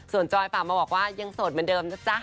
ส่วนจอยฝากมาบอกว่ายังโสดเหมือนเดิมนะจ๊ะ